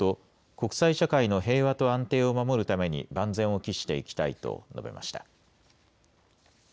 国際社会の平和と安定を守るために万全を期していきたいと述べました。